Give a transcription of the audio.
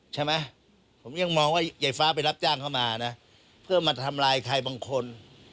ใช่ไหมผมยังมองว่ายายฟ้าไปรับจ้างเข้ามานะเพื่อมาทำลายใครบางคน